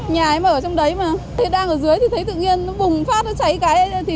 nhà em ở trong đấy mà thì đang ở dưới thì thấy tự nhiên bùng phát cháy cái